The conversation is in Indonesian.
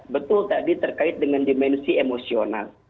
betul tadi terkait dengan dimensi emosional